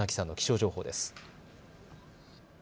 気象情報です。